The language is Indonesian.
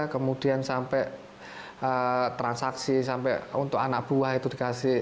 kemudian sampai transaksi sampai untuk anak buah itu dikasih